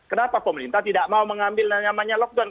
kenapa pemerintah tidak mau mengambil yang namanya lockdown